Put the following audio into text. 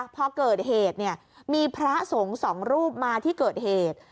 พอเกิดเหตุมีพระส่งสองรูปมาที่เกิดเหตุ